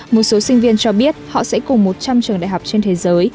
một số sinh viên cho biết họ sẽ cùng một trăm linh trường đại học trên thế giới